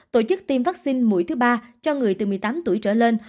tổ chức tiêm vaccine mũi thứ ba cho người từ một mươi tám tuổi trở lên